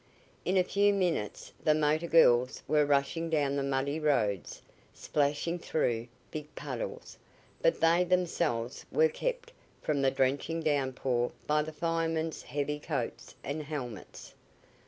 In a few minutes the motor girls were rushing down the muddy roads, splashing through big puddles, but they themselves were kept from the drenching downpour by the firemen's heavy coats and helmets.